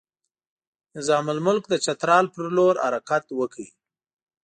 نظام الملک د چترال پر لور حرکت وکړ.